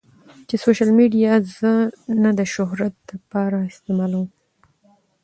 چې سوشل ميډيا زۀ نۀ د شهرت د پاره استعمالووم